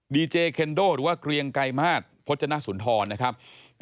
ดีเจเคนโดหรือว่าเกรียงไกรมาสพจนสุนทรนะครับ